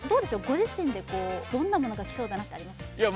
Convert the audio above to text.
ご自身でこうどんなものがきそうだなってありますか？